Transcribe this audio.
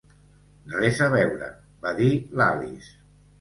"Res a veure", va dir l'Alice.